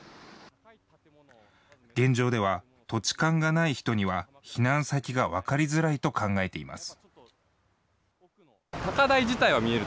現状では土地勘がない人には避難先が分かりづらいと考えています。